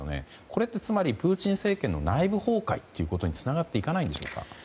これってつまり、プーチン政権の内部崩壊につながっていかないんでしょうか？